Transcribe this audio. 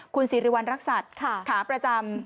คุณสิริวัณรักษัตริย์ขาประจำ